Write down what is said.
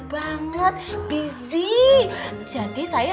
bagaimana sih the